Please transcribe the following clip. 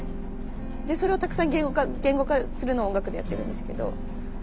それをたくさん言語化するのを音楽でやってるんですけど。